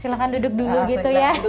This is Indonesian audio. silahkan duduk dulu gitu ya